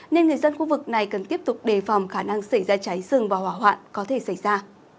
nên người dân khu vực này cần tiếp tục đề phòng khả năng xảy ra cháy rừng và hỏa hoạn có thể xảy ra